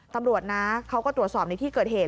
ตำรวจนะเขาก็ตรวจสอบในที่เกิดเหตุ